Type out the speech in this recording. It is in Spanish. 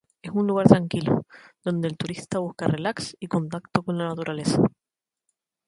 Es un lugar tranquilo, donde el turista busca relax y contacto con la naturaleza.